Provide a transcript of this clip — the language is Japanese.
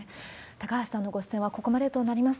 高橋さんのご出演はここまでとなります。